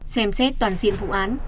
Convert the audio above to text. xem xét toàn diện vụ án